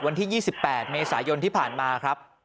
วันที่๒๘เมษายนที่ผ่านมาครับ